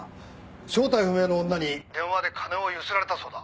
正体不明の女に電話で金をゆすられたそうだ。